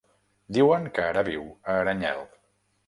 Diuen que ara viu a Aranyel.